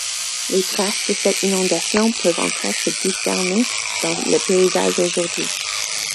Les traces de cette inondation peuvent encore se discerner dans le paysage aujourd'hui.